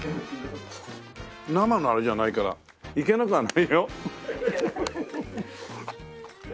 生のあれじゃないからいけなくはないよ。